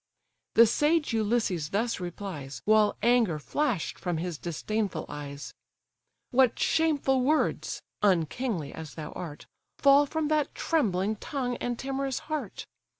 The sage Ulysses thus replies, While anger flash'd from his disdainful eyes: "What shameful words (unkingly as thou art) Fall from that trembling tongue and timorous heart?